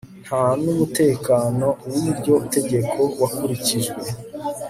Nta numutekano wiryo tegeko wakurikijwe